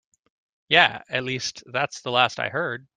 Yeah, at least that's the last I heard.